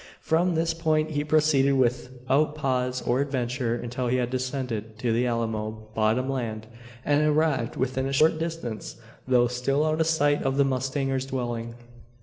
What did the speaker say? From this point he proceeded without pause or adventure until he had descended to the Alamo bottom land, and arrived within a short distance, though still out of sight of the mustanger's dwelling.